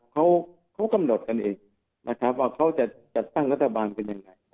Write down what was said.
เขากำหนดกันว่าเขาจะตั้งรัฐบาลเป็นอย่างไร